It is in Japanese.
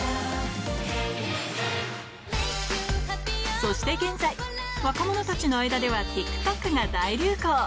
そして現在、若者たちの間ではＴｉｋＴｏｋが大流行。